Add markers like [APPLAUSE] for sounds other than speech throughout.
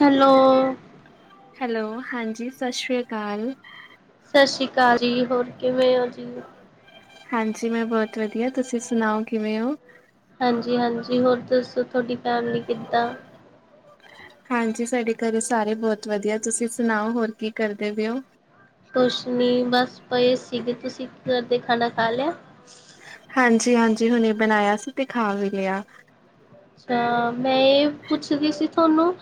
Hello. Hello ਹਾਂਜੀ, ਸਾਸਰੀਆਕਾਲ। ਸਾਸੀਕਾਲ ਜੀ ਹੋਰ ਕਿਵੇਂ ਓ ਜੀ? ਹਾਂਜੀ ਮੈਂ ਬੋਤ ਵਦੀਆ ਤੁਸੀਂ ਸੁਣਾਓ ਕਿਵੇਂ ਓ? ਹਾਂਜੀ-ਹਾਂਜੀ, ਹੋਰ ਦੱਸੋ ਥੋਡੀ ਫੈਮਲੀ ਕੀਦਾਂ? ਹਾਂਜੀ ਸਾਡੇ ਘਰੇ ਸਾਰੇ ਬੋਤ ਵਦੀਆ ਤੁਸੀਂ ਸੁਣਾਓ ਹੋਰ ਕੀ ਕਰਦੇ ਪੇ ਓ? ਕੁਛ ਨੀ ਬਸ ਪਏ ਸੀਗੇ, ਤੁਸੀਂ ਕੀ ਕਰਦੇ ਖਾਣਾ ਖਾ ਲਿਆ? ਹਾਂਜੀ-ਹਾਂਜੀ ਹੁਣੇ ਬਨਾਏਆ ਸੀ ਤੇ ਖਾ ਵੀ ਲਿਆ। ਅੱਛਾ, ਮੈਂ ਏ ਪੁੱਛਦੀ ਸੀ ਥੋਨੂੰ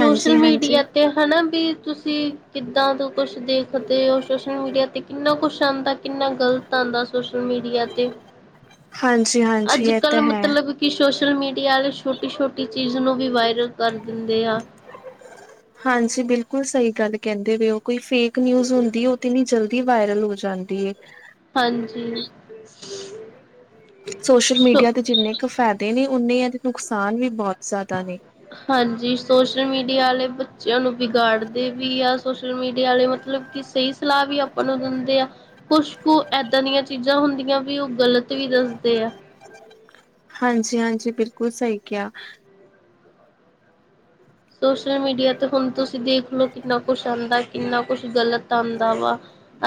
ਹਾਂਜੀ ਹਾਂਜੀ ਤੇ ਹਨਾ ਵੀ ਤੁਸੀਂ ਕੀਦਾਂ ਦਾ ਕੁੱਛ ਦੇਖਦੇ ਓ ਸੋਸ਼ਲ ਮੀਡੀਆ ਤੇ ਕਿੰਨਾ ਕੁਛ ਆਦਾਂ, ਕਿੰਨਾ ਗ਼ਲਤ ਆਦਾਂ, ਸੋਸ਼ਲ ਮੀਡੀਆ ਤੇ। ਹਾਂਜੀ ਹਾਂਜੀ ਇਹ ਅੱਜ-ਕੱਲ ਤਾਂ ਹੈ ਮਤਲਬ ਕੀ ਸ਼ੋਸ਼ਲ ਮੀਡੀਆ ਆਲੇ ਛੋਟੀ-ਛੋਟੀ ਚੀਜ਼ ਨੂੰ ਵੀ ਵਾਇਰਲ ਕਰ ਦਿੰਦੇ ਆ। ਹਾਂਜੀ ਬਿਲਕੁਲ ਸਈ ਗੱਲ ਕੈੰਦੇ ਪਏ ਓਂ, ਕੋਈ ਫੇਕ ਨਿਊਜ਼ ਹੁੰਦੀ ਐ ਓ ਇਤਨੀ ਜਲ ਦੀ ਵਾਇਰਲ ਹੋ ਜਾਂਦੀ ਏ। ਹਾਂਜੀ। ਸੋਸ਼ਲ ਸੋ ਮੀਡੀਆ ਦੇ ਜਿੰਨੇ ਕ ਫੈਦੇ ਨੇ, ਓਨੇ ਏਦੇ ਨੁਕਸਾਨ ਵੀ ਬੋਤ ਜਾਦਾ ਨੇ। ਹਾਂਜੀ ਸੋਸ਼ਲ ਮੀਡੀਆ ਆਲੇ ਬੱਚਿਆਂ ਨੂੰ ਵਿਗਾੜਦੇ ਵੀ ਆ, ਸੋਸ਼ਲ ਮੀਡੀਆ ਆਲੇ ਮਤਲਬ ਕੀ ਸਈ ਸਲਾਅ ਵੀ ਆਪਾਂ ਨੂੰ ਦਿੰਦੇ ਆ। ਕੁਛ ਕੁ ਐਦਾਂ ਦੀਆਂ ਚੀਜ਼ਾਂ ਹੁੰਦੀਆਂ ਵੀ ਓ ਗ਼ਲਤ ਵੀ ਦੱਸਦੇ ਆ। ਹਾਂਜੀ-ਹਾਂਜੀ ਬਿਲਕੁਲ ਸਈ ਕਿਆ। ਸੋਸ਼ਲ ਮੀਡੀਆ ਤੇ ਹੁਨ ਤੁਸੀਂ ਦੇਖ ਲੋ ਕਿੰਨਾ ਕੁਛ ਆਂਦਾ, ਕਿੰਨਾ ਕੁਛ ਗਲਤ ਆਂਦਾ ਵਾ।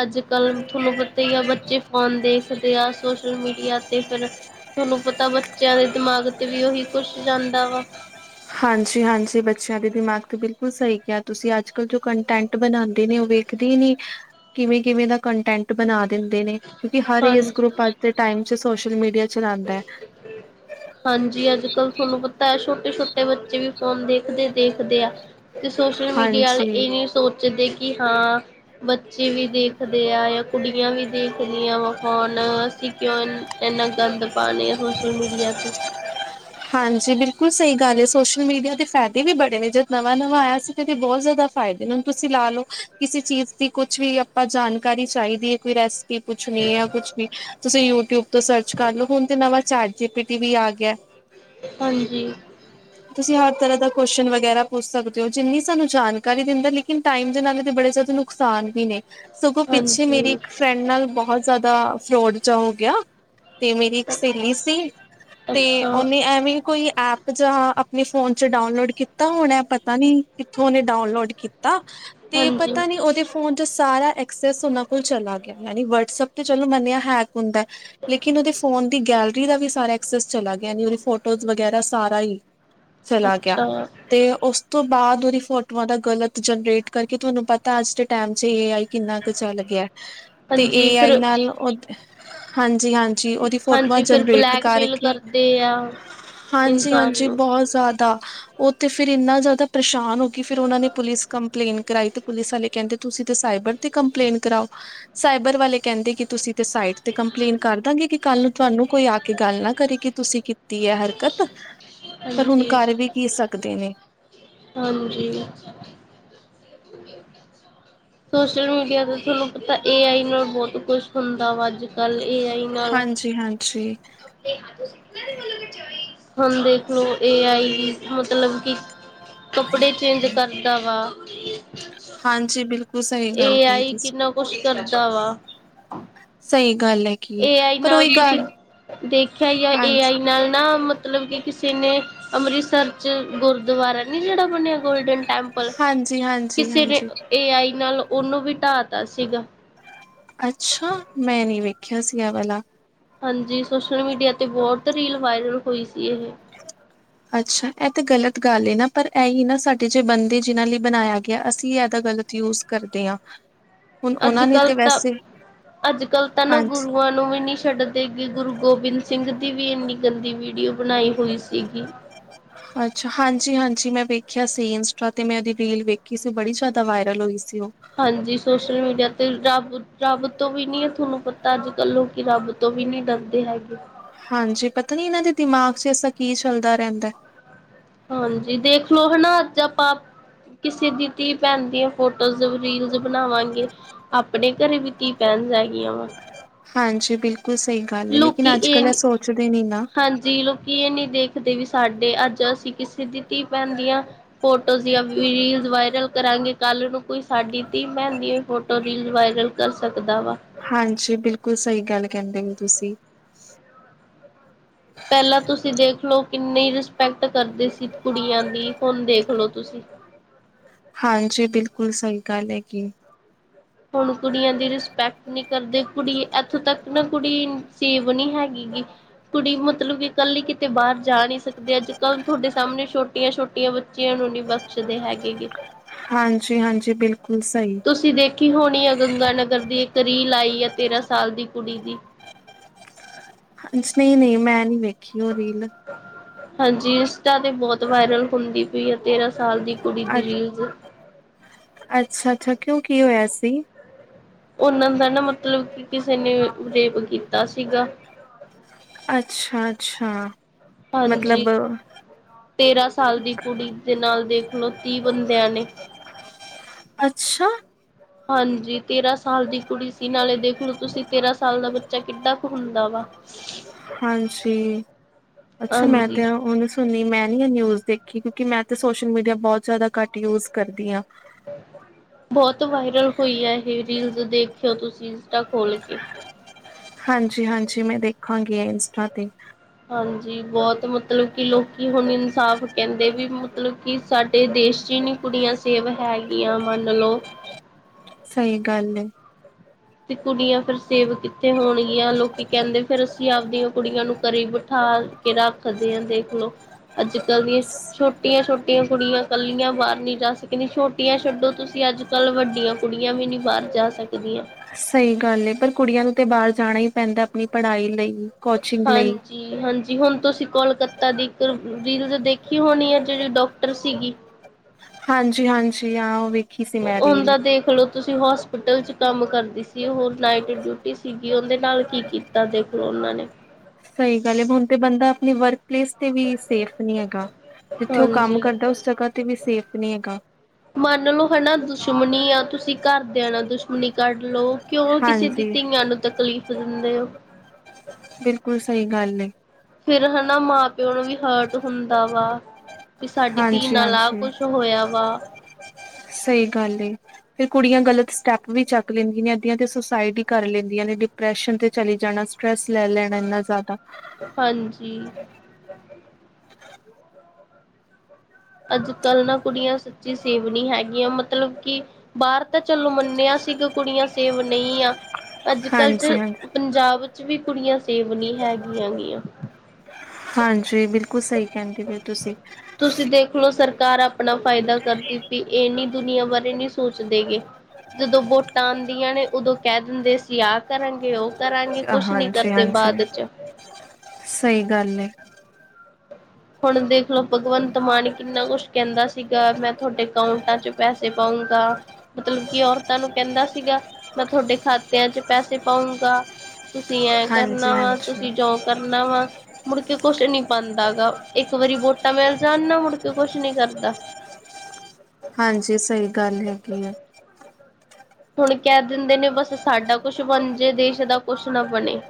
ਅੱਜ-ਕੱਲ ਥੋਨੂੰ ਪਤਾ ਈ ਆ ਬੱਚੇ ਫੋਨ ਦੇਖਦੇ ਆ ਸੋਸ਼ਲ ਮੀਡੀਆ ਤੇ ਫਿਰ ਥੋਨੂੰ ਪਤਾ ਬੱਚੇਆਂ ਦੇ ਦਮਾਗ ਤੇ ਵੀ ਓਹੀ ਕੁਛ ਜਾਂਦਾ ਵਾ। ਹਾਂਜੀ-ਹਾਂਜੀ ਬੱਚੇਆਂ ਦੇ ਦਿਮਾਗ ਤੇ ਬਿਲਕੁਲ ਸਈ ਕਿਆ ਤੁਸੀਂ ਅੱਜ-ਕੱਲ ਜੋ ਕਨਟੈਂਟ ਬਨਾਂਦੇ ਨੇ ਓ ਵੇਖ ਦੀ ਨੀ ਕਿਵੇਂ-ਕਿਵੇਂ ਦਾ ਕਨਟੈਂਟ ਬਨਾ ਦਿੰਦੇ ਨੇ ਕਿਓਂਕਿ ਹਰ ਏਜ ਗਰੁੱਪ ਅੱਜ ਦੇ ਟਾਈਮ ਚ ਸੋਸ਼ਲ ਮੀਡੀਆ ਚਲਾਉਂਦਾ ਤੇ ਹੈ ਕਿੱਥੇ ਹਾਂਜੀ ਅੱਜ-ਕੱਲ ਥੋਨੂੰ ਪਤਾ ਐ ਛੋਟੇ-ਛੋਟੇ ਬੱਚੇ ਵੀ ਫੋਨ ਦੇਖਦੇ-ਦੇਖਦੇ ਆ। ਤੇ ਸੋਸ਼ਲ ਮੀਡੀਆ ਆਲੇ ਹਾਂਜੀ ਏ ਨੀ ਸੋਚਦੇ ਕੀ ਹਾਂ ਬੱਚੇ ਵੀ ਦੇਖਦੇ ਆ ਜਾਂ ਕੁੜੀਆਂ ਵੀ ਦੇਖਦੀਆਂ ਵਾ ਹੁਨ ਅਸੀਂ ਕਿਓਂ ਐਨਾ ਗੰਦ ਪਾਨੇ ਆਂ ਸੋਸ਼ਲ ਮੀਡੀਆ ਤੇ। ਹਾਂਜੀ ਬਿਲਕੁਲ ਸਈ ਗੱਲ ਏ ਸੋਸ਼ਲ ਮੀਡੀਆ ਦੇ ਫੈਦੇ ਵੀ ਬੜੇ ਨੇ ਜਦ ਨਵਾਂ-ਨਵਾਂ ਆਏਆ ਸੀ। ਏਦੇ ਬਹੁ ਜਾਦਾ ਫ਼ਾਇਦੇ ਨੇ ਹੁਨ ਤੁਸੀਂ ਲਾ ਲੋ ਕਿਸੇ ਚੀਜ਼ ਦੀ ਕੁਛ ਵੀ ਆਪਾਂ ਜਾਣਕਾਰੀ ਚਾਈਦੀ ਐ ਕੋਈ ਰੈਸ ਪੀ ਪੁੱਛਨੀ ਐ ਕੁਛ ਵੀ ਤੁਸੀਂ ਯੂਟਿਊਬ ਤੋਂ ਸਰਚ ਕਰ ਲੋ, ਹੁਨ ਤੇ ਨਵਾਂ ਚੈਟ ਜੀ ਪੀ ਟੀ ਵੀ ਆ ਗੇਆ। ਹਾਂਜੀ। ਤੁਸੀਂ ਹਰ ਤਰਾਂ ਦਾ ਕੁਅਸ਼ਨ ਵਗੈਰਾ ਪੁੱਛ ਸਕਦੇ ਓ ਜਿੰਨੀ ਸਾਨੂੰ ਜਾਨਕਾਰੀ ਦਿੰਦਾ ਲੇਕਿਨ ਟਾਈਮ ਦੇ ਨਾਲ ਤਾਂ ਬੜੇ ਜਾਦਾ ਨੁਕ ਸਾਨ ਵੀ ਨੇ। ਸਗੋਂ ਪਿੱਛੇ ਮੇਰੀ ਹਾਂਜੀ ਇੱਕ ਫਰੈਂਡ ਨਾਲ ਬਹੁ ਜਾਦਾ ਫਰੋਡ ਜਾ ਹੋ ਗੇਆ। ਤੇ ਮੇਰੀ ਇੱਕ ਸੇਲੀ ਸੀ ਤੇ ਅੱਛਾ ਉਹਨੇ ਐਵੇਂ ਕੋਈ ਐਪ ਜਾਂ ਆਪਨੇ ਫੋਨ ਚ ਡਾਊਨਲੋਡ ਕੀਤਾ ਹੁਨ ਐ ਪਤਾ ਨੀ ਕਿੱਥੋਂ ਓਨੇ ਡਾਊਨਲੋਡ ਕੀ ਤਾ ਤੇ ਹਾਂਜੀ ਪਤਾ ਨੀ ਓਦੇ ਫੋਨ ਚੋ ਸਾਰਾ ਐਕਸੈਸ ਓਨਾਂ ਕੋਲ ਚਲਾ ਗੇਆ ਯਾਨੀ ਵਟਸਐਪ ਤੇ ਚਲੋ ਮੰਨੇਆ ਹੈਕ ਹੁੰਦਾ ਲੇਕਿਨ ਓਦੇ ਫੋਨ ਦੀ ਗੈਲਰੀ ਦਾ ਵੀ ਸਾਰਾ ਐਕਸੈਸ ਚਲਾ ਗੇ ਯਾਨੀ ਓਦੀ ਫੋਟੋਜ਼ ਵਗੈਰਾ ਸਾਰਾ ਏ ਚਲਾ ਗੇਆ। ਅੱਛਾ ਤੇ ਓਸ ਤੋਂ ਬਾਦ ਓਦੀ ਫੋਟੋਆਂ ਦਾ ਗਲਤ ਜਨਰੇਟ ਕਰਕੇ ਤੁਆਨੂੰ ਪਤਾ ਅੱਜ ਦੇ ਟੈਮ ਚ ਏ ਆਈ ਕਿੰਨਾ ਕ ਚੱਲ ਗੇਆ ਤੇ ਹਾਂਜੀ ਏ ਆਈ ਫਿਰ ਨਾਲ ਓ ਹਾਂਜੀ-ਹਾਂਜੀ। ਜੀ ਓਦੀ ਫੋਟੋਆਂ ਜਨਰੇਟ ਕਰਕੇ ਦੇ ਆ ਇਨਸਾਨ ਹਾਂਜੀ-ਹਾਂਜੀ ਨੂੰ ਬਹੁ ਜਾਦਾ, ਓ ਤੇ ਫਿਰ ਇੰਨਾ ਜਾਦਾ ਪਰੇਸ਼ਾਨ ਹੋ ਗਈ ਫੇਰ ਓਨਾਂ ਨੇ ਪੁਲਿਸ ਕੰਪਲੇਨ ਕਰਾਈ ਤੇ ਪੁਲਿਸ ਆਲੇ ਕੈਂਦੇ ਤੁਸੀਂ ਤੇ ਸਾਈਬਰ ਤੇ ਕੰਪਲੇਨ ਕਰਾਓ, ਸਾਈਬਰ ਵਾਲੇ ਕੈਂਦੇ ਕੇ ਤੁਸੀਂ ਸਾਈਟ ਤੇ ਕੰਪਲੇਂਨ ਕਰਦਾਂਗੇ ਕੇ ਕੱਲ ਨੂੰ ਤੁਆਨੂੰ ਕੋਈ ਆ ਕੇ ਗੱਲ ਨਾ ਕਰੇ ਕੇ ਤੁਸੀਂ ਕੀਤੀ ਐ ਹਰਕਤ, ਪਰ ਹੁਨ ਹਾਂਜੀ ਕਰ ਵੀ ਕੀ ਸਕਦੇ ਨੇ। ਹਾਂਜੀ। ਸੋਸ਼ਲ ਮੀਡੀਆ ਤੋਂ ਥੋਨੂੰ ਪਤਾ ਏ ਆਈ ਨਾਲ ਬੋਤ ਕੁਛ ਹੁੰਦਾ ਵਾ ਅੱਜ-ਕੱਲ ਏ ਆਈ ਨਾਲ ਹਾਂਜੀ-ਹਾਂਜੀ। ਹੁਣ ਦੇਖਲੋ ਏ ਆਈ ਮਤਲਬ ਕਿ ਕੱਪੜੇ ਚੇਂਜ ਕਰਦਾ ਵਾ। ਹਾਂਜੀ, ਬਿਲਕੁਲ। ਸਹੀ ਗੱਲ ਏ ਕਹੀ ਆਈ ਤੁਸੀਂ ਕਿੰਨਾ ਕੁਛ ਕਰਦਾ ਵਾ। ਸਹੀ ਗੱਲ ਹੈ। ਏ ਆਈ ਨਾਲ ਤੁਸੀਂ ਦੇਖਿਆ ਹੀ ਆ, ਏ ਹਾਂਜੀ ਆਈ ਨਾਲ ਨਾ ਮਤਲਬ ਕਿ ਕਿਸੇ ਨੇ ਅੰਮ੍ਰਿਤਸਰ 'ਚ ਗੁਰਦੁਆਰਾ ਨਹੀਂ, ਜਿਹੜਾ ਬਣਿਆ ਗੋਲਡਨ ਟੈਂਪਲ ਹਾਂਜੀ ਹਾਂਜੀ ਕਿਸੇ ਨੇ ਹਾਂਜੀ ਏ ਆਈ ਨਾਲ ਉਹਨੂੰ ਵੀ ਢਾਹ ਤਾ ਸੀਗਾ। ਅੱਛਾ! ਮੈਂ ਨੀ ਵੇਖਿਆ ਸੀ ਐ ਵਲਾ। ਹਾਂਜੀ, ਸੋਸ਼ਲ ਮੀਡੀਆ 'ਤੇ ਬਹੁਤ ਰੀਲ ਵਾਇਰਲ ਹੋਈ ਸੀ ਇਹ। ਅੱਛਾ, ਇਹ ਤਾਂ ਗਲਤ ਗੱਲ ਏ ਨਾ! ਪਰ ਇਹੀ ਨਾ, ਸਾਡੇ ਜੇ ਬੰਦੇ ਜਿਨਾਂ ਲਈ ਬਣਾਇਆ ਗਿਆ, ਅਸੀਂ ਇਹਦਾ ਗ਼ਲਤ ਯੂਜ਼ ਕਰਦੇ ਹਾਂ। ਹੁਣ ਉਹਨਾਂ ਨੇ ਅੱਜ-ਕੱਲ੍ਹ ਤੇ ਤਾਂ, ਵੈਸੇ ਅੱਜ-ਕੱਲ੍ਹ ਤਾਂ ਨਾ ਹਾਂਜੀ ਗੁਰੂਆਂ ਨੂੰ ਵੀ ਨੀ ਛੱਡ ਦੇ ਗੁਰੂ ਗੋਬਿੰਦ ਸਿੰਘ ਦੀ ਵੀ ਇੰਨੀ ਗੰਦੀ ਵੀਡੀਓ ਬਣਾਈ ਹੋਈ ਸੀਗੀ। ਅੱਛਾ, ਹਾਂਜੀ-ਹਾਂਜੀ ਮੈਂ ਵੇਖਿਆ ਸੀ, ਇੰਸਟਾ ਤੇ ਮੈਂ ਉਹਦੀ ਰੀਲ ਵੇਖੀ ਸੀ, ਬੜੀ ਜ਼ਿਆਦਾ ਵਾਇਰਲ ਹੋਈ ਸੀ ਉਹ। ਹਾਂਜੀ, ਸੋਸ਼ਲ ਮੀਡੀਆ ਤੇ ਰੱਬ, ਰੱਬ ਤੋਂ ਵੀ ਨਹੀਂ ਹੈ, ਤੁਹਾਨੂੰ ਪਤਾ ਅੱਜ-ਕੱਲ੍ਹ ਲੋਕੀ ਰੱਬ ਤੋਂ ਵੀ ਨਹੀ ਡਰਦੇ ਹੈਗੇ। ਹਾਂਜੀ, ਪਤਾ ਨੀ ਇਹਨਾਂ ਦੇ ਦਿਮਾਗ 'ਚ ਐਸਾ ਕੀ ਚੱਲਦਾ ਰਹਿੰਦਾ। ਹਾਂਜੀ, ਦੇਖਲੋ ਹਨਾ ਅੱਜ ਆਪਾਂ ਕਿਸੇ ਦੀ ਧੀ-ਭੈਣ ਦੀਆਂ ਫੋਟੋਜ਼ ਰੀਲਸ ਬਣਾਵਾਂਗੇ ਆਪਣੇ ਘਰੇ ਵੀ ਧੀ ਪੈਣਜ਼ ਹੇਗੀਆ ਵਾ। ਹਾਂਜੀ, ਬਿਲਕੁਲ ਸਹੀ ਗੱਲ ਹੈ, ਲੇਕਿਨ ਅੱਜ ਕੱਲ੍ਹ ਇਹ ਸੋਚਦੇ ਨੀ ਨਾ। ਹਾਂਜੀ, ਕੀ ਏ ਨਹੀ ਦੇਖਦੇ ਵੀ ਸਾਡੇ ਅੱਜ ਅਸੀਂ ਕਿਸੇ ਦੀ ਧੀ-ਭੈਣ ਦਿਆ ਫੋਟੋਜ਼ ਜਾਂ ਵੀ ਰੀਲਜ਼ ਵਾਇਰਲ ਕਰਾਂਗੇ, ਕੱਲ ਨੂੰ ਕੋਈ ਸਾਡੀ ਧੀ-ਭੈਨ ਦੀ ਫੋੋ ਟੋ ਰੀਲ ਵਾਇਰਲ ਕਰ ਸਕਦਾ ਵਾ। ਹਾਂਜੀ, ਬਿਲਕੁਲ ਸਹੀ ਗੱਲ ਕਹਿੰਦੇ ਹੋ ਤੁਸੀਂ। ਪਹਿਲਾਂ ਤੁਸੀਂ ਦੇਖਲੋ ਕਿੰਨੀ ਰਿਸਪੈਕਟ ਕਰਦੇ ਸੀ ਕੁੜੀਆਂ ਦੀ ਹੁਣ ਦੇਖਲੋ ਤੁਸੀਂ। ਹਾਂਜੀ, ਬਿਲਕੁਲ ਸਹੀ ਗੱਲ ਹੈਗੀ। ਹੁਣ ਕੁੜੀਆਂ ਦੀ ਰਿਸਪੈਕਟ ਨਹੀ ਕਰਦੇ, ਕੁੜੀ ਇੱਥੋਂ ਤੱਕ ਨਾ ਕੁੜੀ ਸੇਵ ਨਹੀ ਹੈਗੀਗੀ। ਕੁੜੀ ਮਤਲਬ ਕਿ ਕਲੀ ਕਿਤੇ ਬਾਹਰ ਜਾ ਨਹੀ ਸਕਦੀ। ਅੱਜ-ਕੱਲ੍ਹ ਤੁਹਾਡੇ ਸਾਹਮਣੇ ਛੋਟੇ ਛੋਟੀਆਂ-ਛੋਟੀਆਂ ਬੱਚਿਆਂ ਨੂੰ ਨੀ ਬਖਸ਼ਦੇ ਹੈਗੇ ਗੇ। ਹਾਂਜੀ-ਹਾਂਜੀ ਬਿਲਕੁਲ ਸਹੀ। ਤੁਸੀਂ ਦੇਖੀ ਹੋਣੀ ਆ, ਗੰਗਾ ਨਗਰ ਦੀ ਇੱਕ ਰੀਲ ਆਾਈ ਆ ਤੇਰਾਂ ਸਾਲ ਦੀ ਕੁੜੀ ਦੀ। ਨਹੀਂ ਨਹੀਂ, ਮੈਂ ਨੀ ਵੇਖੀ ਉਹ ਰੀਲ। ਹਾਂਜੀ, ਇੰਸਟਾ 'ਤੇ ਬਹੁਤ ਵਾਇਰਲ ਹੁੰਦੀ ਪਈ ਐ, ਤੇਰਾਂ ਸਾਲ ਦੀ ਕੁੜੀ ਦੀ ਰੀਲਜ਼। ਅੱਛਾ-ਅੱਛਾ ਕਿਉਂ, ਕੀ ਹੋਇਆ ਸੀ? ਉਹਨਾਂ ਦਾ ਨਾ ਮਤਲਬ ਕਿ ਕਿਸੇ ਨੇ ਰੇਪ ਕੀਤਾ ਸੀਗਾ। ਅੱਛਾ-ਅੱਛਾ। ਹਾਂਜੀ, ਤੇਰਾਂ ਸਾਲ ਦੀ ਕੁੜੀ ਦੇ ਨਾਲ ਦੇਖ ਲੋ ਤੀਹ ਬੰਦਿਆਂ ਨੇ। ਅੱਛਾ! ਹਾਂਜੀ, ਤੇਰਾਂ ਸਾਲ ਦੀ ਕੁੜੀ ਸੀ, ਨਾਲੇ ਦੇਖ ਲਓ ਤੁਸੀਂ, ਤੇਰਾਂ ਸਾਲ ਦਾ ਬੱਚਾ ਕਿੱਡਾਂ ਕੁ ਹੁੰਦਾ ਵਾ। [INAUDIBLE] ਹਾਂਜੀ, ਅੱਛਾ, ਮੈਂ ਤੇ ਹਾਂਜੀ ਆ ਹੁਨ ਸੁਣੀ, ਮੈਂ ਨੀ ਐ ਨਿਊਜ਼ ਦੇਖੀ ਕਿਉਂਕਿ ਮੈਂ ਤੇ ਸੋਸ਼ਲ ਮੀਡੀਆ ਬੋਤ ਜਾਦਾ ਘੱਟ ਯੂਜ ਕਰਦੀ ਆ। ਬੋਤ ਵਾਇਰਲ ਹੋਈ ਐ ਏ ਰੀਲਜ਼ ਦੇਖਿਓ ਤੁਸੀਂ ਇੰਸਟਾ ਖੋਲ ਕੇ। ਹਾਂਜੀ-ਹਾਂਜੀ, ਮੈਂ ਦੇਖਾਂਗੀ ਇੰਸਟਾ ਤੇ। ਹਾਂਜੀ, ਬੋਤ ਮਤਲਬ ਕਿ ਲੋਕੀ ਹੁਨ ਇਨਸਾਫ਼ ਕੈਂਦੇ ਵੀ ਮਤਲਬ ਕਿ ਸਾਡੇ ਦੇਸ਼ ਚ ਈ ਨੀ ਕੁੜੀਆਂ ਸੇਵ ਹੈਗੀਆਂ ਮੰਨ ਲਓ - ਸਈ ਗੱਲ ਏ। ਤੇ ਕੁੜੀਆਂ ਫੇਰ ਸੇਵ ਕਿੱਥੇ ਹੋਣਗੀਆਂ, ਲੋਕੀ ਕੈਂਦੇ ਫੇਰ ਅਸੀਂ ਆਪਦੀਆਂ ਕੁੜੀਆਂ ਨੂੰ ਘਰੇ ਬਿਠਾ ਕੇ ਰੱਖਦੇ ਆ ਦੇਖਲੋ। ਅੱਜ ਕੱਲ੍ਹ ਦੀ - ਛੋਟੀਆਂ-ਛੋਟੀਆਂ ਕੁੜੀਆਂ ਕੱਲੀਆਂ ਬਾਅਰ ਨੀ ਜਾ ਸਕਨੀ, ਛੋਟੀਆਂ ਛੱਡੋ ਤੁਸੀਂ ਅੱਜ- ਕੱਲ ਵੱਡੀਆਂ ਕੁੜੀਆਂ ਵੀ ਨੀ ਬਾਅਰ ਜਾ ਸਕਦੀਆਂ। ਸਈ ਗੱਲ ਏ, ਪਰ ਕੁੜੀਆਂ ਨੂੰ ਤੇ ਬਾਅਰ ਜਾਣਾ ਈ ਪੈਂਦੈ ਅਪਨੀ ਪੜ੍ਹਾਈ ਲਈ। ਕੋਚਿੰਗ ਹਾਂਜ ਲਈ ਜੀ- ਹਾਂਜੀ, ਹੁਨ ਤੁਸੀਂ ਕੋਲਕਾਤਾ ਦੀ ਇੱਕ ਰੀਲਜ਼ ਦੇਖੀ ਹੋਣੀ ਐ ਜੇੜੀ ਡਾਕਟਰ ਸੀਗੀ। ਹਾਂਜੀ-ਹਾਂਜੀ, ਹਾਂ ਓ ਵੀ। ਓ ਉਂਦਾ ਦੇਖਲੋ। ਤੁਸੀਂ ਹੋਸਪਿਟਲ ਚ ਕੰਮ ਕਰਦੀ ਸੀ ਓ ਨਾਈਟ ਡਿਊਟੀ ਸੀਗੀ, ਉਂਦੇ ਨਾਲ ਕੀ ਕੀਤਾ ਦੇਖੋ ਓਨਾਂ ਨੇ। ਸਈ ਗੱਲ ਏ, ਹੁਨ ਤੇ ਬੰਦਾ ਅਪਨੀ ਵਰਕ ਪਲੇਸ- ਤੇ ਵੀ ਸੇਫ ਨੀ ਹੈਗਾ, ਜਿੱਥੇ ਓ ਕੰਮ ਹਾਂਜੀ ਕਰਦਾ ਉਸ ਜਗ੍ਹਾ ਤੇ ਵੀ ਸੇਫ ਨੀ ਹੈਗਾ। ਮੰਨ ਲਓ ਹਣਾ ਦੁਸ਼ਮਣੀ ਆ, ਤੁਸੀਂ ਘਰਦਿਆਂ ਣਾ ਦੁਸ਼ਮਣੀ ਕੱਢ ਲਓ। ਕਿਉਂ ਕਿਸੇ ਦੀ ਹਾਂਜੀ ਧੀਆਂ ਨੂੰ ਤਕਲੀਫ਼ ਦਿੰਦੇ ਓ। ਬਿਲਕੁਲ ਸਈ ਗੱਲ ਏ। ਫਿਰ ਹਣਾ, ਮਾਂ -ਪਿਓ ਨੂੰ ਵੀ ਹਰਟ ਹੁੰਦਾ ਵਾ, ਵੀ ਸਾਡੀ ਧੀ ਹਾਂਜੀ ਨਾਲ ਆ ਕੁਛ ਹੋਇਆ ਵਾ। ਸਈ ਗੱਲ ਏ। ਫੇਰ ਕੁੜੀਆਂ ਗਲਤ ਸਟੈਪ ਵੀ ਚੱਕ ਲੈਂਦੀਆਂ ਨੇ, ਅੱਧੀਆਂ ਤੇ ਸੁਸਾਈਡ ਈ ਕਰ ਲੈਂਦੀਆਂ ਨੇ, ਡਿਪਰੈਸ਼ਨ ਤੇ ਚਲੇ ਜਾਣਾ, ਸ ਸਟ੍ਰੈੱਸ ਲੈ ਲੈਣਾ ਇੰਨਾ ਜਾਦਾ। ਹਾਂਜੀ। ਅੱਜ ਕੱਲ ਨਾ ਕੁੜੀਆਂ ਸੱਚੀ ਸੇਵ ਨੀ ਹੈਗੀਆਂ ਮਤਲਬ ਕਿ- ਬਾਅਰ ਤਾਂ ਚਲੋ ਮੰਨਿਆ ਸੀਗਾ ਕੁੜੀਆਂ ਸੇਵ ਨਈ ਆ। ਅੱਜ ਕੱਲ੍ਹ ਚ ਹਾਂਜੀ ਹਾਂਜੀ ਪੰਜਾਬ ਚ ਵੀ ਕੁੜੀਆਂ ਸੇਵ ਨੀ ਹੈਗੀਆਂ ਗੀਆਂ। ਹਾਂਜੀ, ਬਿਲਕੁਲ ਸਈ ਕੈਂਦੇ ਬੇ ਓ ਤੁਸੀਂ। ਤੁਸੀਂ ਦੇਖ ਲਓ ਸਰਕਾਰ ਅਪਣਾ ਫਾਇਦਾ ਕਰਦੀ ਪੀ, ਏ ਨੀ ਦੁਨੀਆਂ ਬਾਰੇ ਨੀ ਸੋਚਦੇ ਗੇ। ਤੂੰ ਜਦੋਂ ਵੋਟਾਂ ਆਂਦੀਆਂ ਨੇ ਉਦੋਂ ਕੈ ਦਿੰਦੇ ਸੀਂ ਆਹ ਕਰਾਂਗੇ ਓ ਕਰਾਂਗੇ, ਕੁਛ ਨੀ ਕਰਦੇ ਬਾਅਦ ਚ। ਸਈ ਗੱਲ ਏ। ਹੁਣ ਦੇਖ ਲਓ ਭਗਵੰਤ ਮਾਣ ਕਿੰਨਾ ਕੁਛ ਕੈਂਦਾ ਸੀਗਾ, ਮੈਂ ਤੁਆਡੇ ਅਕਾਊਂਟਾਂ ਚ ਪੈਸੇ ਪਾਉਂਗਾ ਮਤਲਬ ਕਿ ਔਰਤਾਂ ਨੂੰ ਕੈਂਦਾ ਸੀਗਾ, ਮੈਂ ਤੁਆਡੇ ਖਾਤਿਆਂ ਚ ਪੈਸੇ ਪਾਉਂਗਾ। ਤੁਸੀਂ ਐਂ ਹਾਂਜੀ ਕਰਨਾ ਵਾ, ਹਾਂਜੀ ਤੁਸੀਂ ਜੋ ਕਰਨਾ ਵਾ, ਮੁੜਕੇ ਕੁਛ ਨੀ ਪਾਂਦਾ ਗਾ। ਏਕ ਵਾਰੀ ਵੋਟਾ ਮਿਲ ਜਾਨ ਨਾ, ਮੁੜਕੇ ਕੁਛ ਨੀ ਕਰਦਾ। ਹਾਂਜੀ, ਸਈ ਗੱਲ ਹੈਗੀ ਐ। ਹੁਣ ਕੈ ਦਿੰਦੇ ਨੇ ਬਸ ਸਾਡਾ ਕੁਛ ਬਨ ਜੇ, ਦੇਸ਼ ਦਾ ਕੁਛ ਨਾ ਬਣੇ।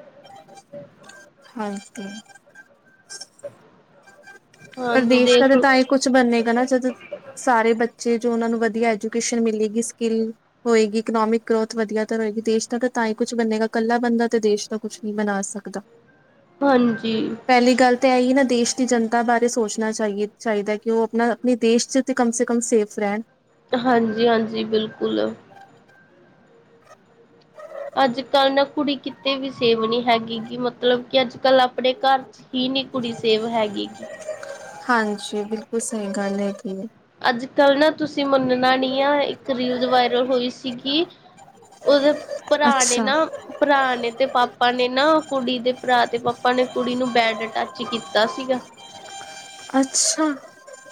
ਹਾਂਜੀ। ਪਰ ਹਾਂਜੀ ਦੇਸ਼ ਦਾ ਦੇਖ ਤਾਂ, ਲੋ ਤਾਂਏ ਕੁੱਛ ਬਨੇਗਾ ਨਾ ਜਦੋਂ ਸਾਰੇ ਬੱਚੇ, ਜੋ ਉਨਾਂ ਨੂੰ ਵਧੀਆ ਐਜੂਕੇਸ਼ਨ ਮਿਲੇਗੀ ਸਕਿੱਲ - ਹੋਏਗੀ, ਇਕਨੋਮਿਕ ਗਰੋਥ ਵਧੀਆ ਤਾਂ ਰਏਗੀ। ਦੇਸ਼ ਦਾ ਤਾ, ਤਾਂ ਈ ਕੁਛ ਬਨੇਗਾ ਕੱਲਾ ਬੰਦਾ ਤੇ ਦੇਸ਼ ਦਾ ਕੁਛ ਨੀ ਬਨਾ ਸਕਦਾ। ਹਾਂਜੀ। ਤੇ ਐਈ ਨਾ, ਦੇਸ਼ ਦੀ ਜਨਤਾ ਵਾਸਤੇ। ਤੇ ਸੋਚਣਾ ਚਾਹੀਏ ਚਾਹੀਦਾ ਕਿ ਉਹ ਆਪਣਾ ਆਪਣੇ ਦੇਸ਼ ਚ ਤੇ ਕਮ ਸੇ ਕਮ ਸੇਫ ਰਹਿਣ। ਹਾਂਜੀ-ਹਾਂਜੀ ਬਿਲਕੁਲ। ਅੱਜ ਕੱਲ ਨਾ ਕੁੜੀ ਕਿਤੇ ਵੀ ਸੇਫ ਨਹੀਂ ਹੈਗੀ ਕੀ ਮਤਲਬ ਕਿ ਅੱਜ ਕੱਲ੍ਹ ਆਪਣੇ ਘਰ। ਹੀ ਨਹੀਂ ਕੁੜੀ ਸੇਫ ਹੈਗੀ। ਹਾਂਜੀ ਬਿਲਕੁਲ ਸਹੀ ਗੱਲ ਹੈਗੀ ਐ ਅੱਜ ਕੱਲ੍ਹ ਨਾ ਤੁਸੀਂ ਮੰਨਣਾ ਨਹੀਂ ਆ ਇੱਕ ਰੀਲ ਵਾਇਰਲ ਹੋਈ ਸੀਗੀ। ਉਹਦੇ ਭਰਾ ਨੇ ਅੱਛਾ ਨਾ। ਭਰਾ ਨੇ ਤੇ ਪਾਪਾ ਨੇ ਨਾ ਕੁੜੀ ਦੇ ਭਰਾ ਤੇ ਪਾਪਾ ਨੇ ਕੁੜੀ ਨੂੰ ਬੈਡ ਟੱਚ ਕੀਤਾ ਸੀਗਾ। ਅੱਛਾ ਜੀ। ਅੱਛਾ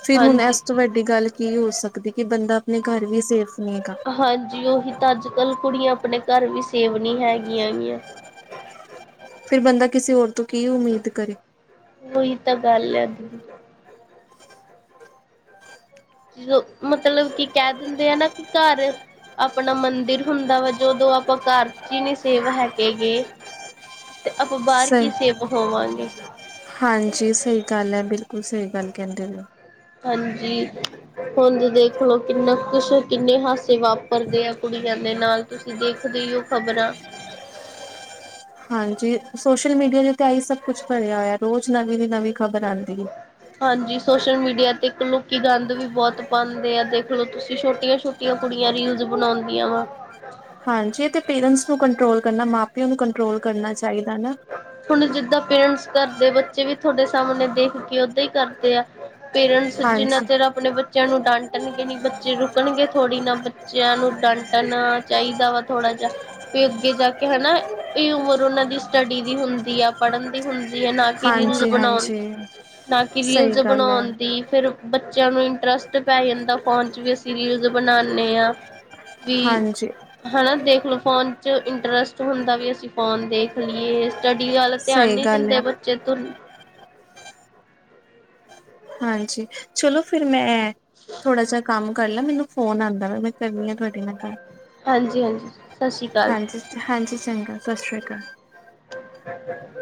ਫਿਰ ਹੁਣ ਇਸ ਤੋਂ ਵੱਡੀ ਗੱਲ। ਕੀ ਹੋ ਸਕਦੀ ਕਿ ਬੰਦਾ ਆਪਣੇ ਘਰ ਵੀ ਸੇਫ ਨਹੀਂ ਹੈਗਾ ਹਾਂਜੀ ਉਹੀ ਤਾਂ ਅੱਜ ਕੱਲ ਕੁੜੀਆਂ ਆਪਣੇ ਘਰ ਵੀ ਸੇਫ ਨਹੀਂ ਹੈਗੀਆਂ ਹੈਗੀਆਂ ਫਿਰ ਬੰਦਾ ਕਿਸੇ ਹੋਰ ਤੋਂ ਕੀ ਉਮੀਦ ਕਰੇ ਉਹੀ ਤਾਂ ਗੱਲ ਹੈ ਜਦੋ ਮਤਲਬ ਕੀ ਕਹਿ ਦਿੰਦੇ ਆ ਨਾ, ਕੀ ਘਰ ਆਪਣਾ ਮੰਦਿਰ ਹੁੰਦਾ ਵਾ, ਜਦੋਂ ਆਪਾਂ ਘਰ ਵਿਚ ਹੀ ਨੀ ਸੇਫ ਨਹੀ ਹੈਗੇ ਏ ਤੇ ਆਪਾਂ ਬਾਹਰ ਕੀ ਸਹੀ ਸੇਫ ਹੋਵਾਂਗੇ ਹਾਂਜੀ ਸਹੀ ਗੱਲ ਹੈ ਬਿਲਕੁਲ ਸਹੀ ਗੱਲ ਕਹਿੰਦੇ ਪਏ ਔ ਹਾਂਜੀ ਹੁਣ ਦੇਖ ਲਓ ਕਿੰਨਾ ਕੁਛ ਕਿੰਨੇ ਹਾਸੇ ਵਾਪਰਦੇ ਆ ਕੁੜੀਆਂ ਦੇ ਨਾਲ ਤੁਸੀਂ ਦੇਖਦੇ ਈ ਹੋ ਖ਼ਬਰਾਂ ਹਾਂਜੀ ਸੋਸ਼ਲ ਮੀਡੀਆ ਤੇ ਆ ਹੀ ਸਭ ਕੁਛ ਭਰਿਆ ਹੋਇਆ, ਰੋਜ਼ ਨਵੀਂ ਦੀ ਨਵੀਂ ਖ਼ਬਰ ਆਉਂਦੀ ਹੈ ਹਾਂਜੀ ਸੋਸ਼ਲ ਮੀਡੀਆ ਤੇ ਇਕ ਲੋਕੀ ਗੰਦ ਵੀ ਬਹੁਤ ਪਾਉਂਦੇ ਆ, ਦੇਖ ਲਓ ਤੁਸੀਂ ਛੋਟੀਆਂ ਛੋਟੀਆਂ ਜੋ ਕੁੜੀਆਂ ਰੀਲਸ ਬਣਾਉਂਦੀਆਂ ਵਾ ਹਾਂਜੀ ਇਹ ਤੇ ਪੇਰੈਂਸ ਨੂੰ ਕੰਟਰੋਲ ਕਰਨਾ, ਮਾਂ ਪਿਓ ਨੂੰ ਕੰਟਰੋਲ ਕਰਨਾ ਚਾਹੀਦਾ ਨਾ ਹੁਣ ਜਿੱਦਾਂ ਪੇਰੈਂਟਸ ਕਰਦੇ, ਬੱਚੇ ਵੀ ਤੁਹਾਡੇ ਸਾਹਮਣੇ ਦੇਖ ਕੇ ਓਦਾਂ ਹੀ ਕਰਦੇ ਆ ਪੇਰੈਂਟਸ ਜਿੰਨਾ ਹਾਂਜੀ ਚਿਰ ਆਪਣੇ ਬਚੇ ਬੱਚਿਆਂ ਨੂੰ ਡਾਂਟਣਗੇ ਨੀ ਬੱਚੇ ਰੁਕਣਗੇ ਥੋੜ੍ਹੀ ਨਾ, ਬੱਚਿਆਂ ਨੂੰ ਡਾਂਟਣਾ ਚਾਹੀਦਾ ਵਾ ਥੋੜ੍ਹਾ ਜਿਹਾ ਇਹ ਅੱਗੇ ਜਾ ਕੇ ਹੈਨਾ, ਇਹ ਉਮਰ ਉਹਨਾਂ ਦੀ ਸਟੱਡੀ ਦੀ ਹੁੰਦੀ ਆ ਪੜ੍ਹਨ ਹੁੰਦੀ ਹੈ ਨਾ ਕਿ ਰੀਲ ਹਾਂਜੀ ਬਣਾਉਣ ਹਾਂਜੀ ਨਾ ਕਿ ਸਹੀ ਰੀਲ ਗੱਲ ਹੈ ਬਣਾਉਣ ਦੀ, ਫਿਰ ਬੱਚਿਆਂ ਨੂੰ ਇੰਟਰਸ ਪੈ ਜਾਂਦਾ ਫੋਨ ਵਿਚ, ਅਸੀਂ ਰੀਲਸ ਬਣਾਉਦੇ ਆਂ ਬੀ ਹਾਂਜੀ ਹੈਨਾ, ਦੇਖ ਲੋ ਫੋਨ ਚ ਇੰਟਰਸ ਹੁੰਦਾ ਵੀ ਅਸੀਂ ਫੋਨ ਤੇ ਕੀ ਦੇਖ ਲਈਏ, ਸਟੱਡੀ ਵਲ ਧਿਆਨ ਸਹੀ ਨੀ ਗੱਲ ਹੈ। ਦਿੰਦੇ ਬੱਚੇ ਤੇ ਹਾਂਜੀ ਚਲੋ ਫਿਰ ਮੈਂ ਥੋਹੜਾ ਜਿਹਾ ਕੰਮ ਕਰ ਲਾਂ, ਮੈਨੂੰ ਫੋਨ ਆਉਂਦਾ ਵਾ ਕਰਨੀ ਆ ਤੁਹਾਡੇ ਨਾਲ ਗਲ ਹਾਂਜੀ ਹਾਂਜੀ ਸਤਿ ਸ਼੍ਰੀ ਅਕਾਲ ਜੀ ਹਾਂਜੀ ਹਾਂਜੀ ਚੰਗਾ ਸਤਿ ਸ਼੍ਰੀ ਅਕਾਲ ਹਾਂ [INAUDIBLE]